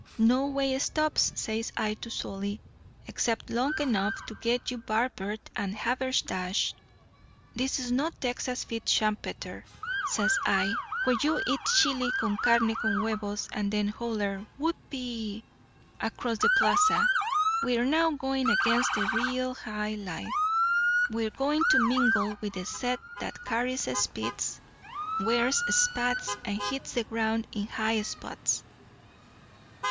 "'No way stops,' says I to Solly, 'except long enough to get you barbered and haberdashed. This is no Texas feet shampetter,' says I, 'where you eat chili concarne con huevos and then holler "Whoopee!" across the plaza. We're now going against the real high life. We're going to mingle with the set that carries a Spitz, wears spats, and hits the ground in high spots.